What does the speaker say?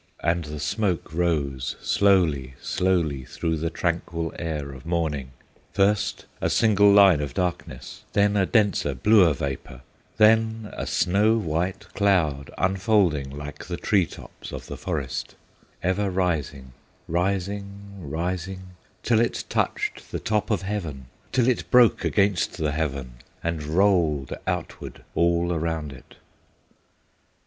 And the smoke rose slowly, slowly, Through the tranquil air of morning, First a single line of darkness, Then a denser, bluer vapor, Then a snow white cloud unfolding, Like the tree tops of the forest, Ever rising, rising, rising, Till it touched the top of heaven, Till it broke against the heaven, And rolled outward all around it.